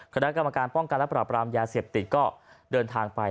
คณะกรรมการป้องกันและปราบรามยาเสพติดก็เดินทางไป